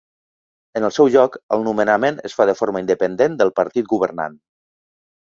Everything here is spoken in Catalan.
En el seu lloc, el nomenament es fa de forma independent pel partit governant.